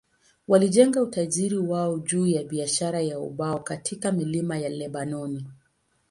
Walijenga utajiri wao juu ya biashara ya ubao kutoka milima ya Lebanoni.